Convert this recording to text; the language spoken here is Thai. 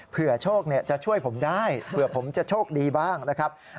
โชคจะช่วยผมได้เผื่อผมจะโชคดีบ้างนะครับ